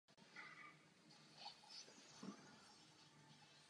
Vychodil národní a měšťanskou školu a navštěvoval gymnázium v rodné Moravské Třebové.